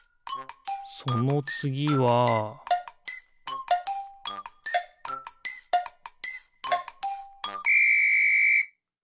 そのつぎはピッ！